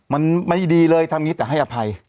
มันไม่ดีเลยทำอย่างนี้แต่ให้อภัย